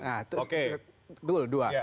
nah itu dua